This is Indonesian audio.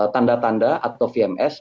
tanda tanda atau vms